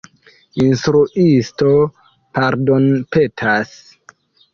Instruisto pardonpetas.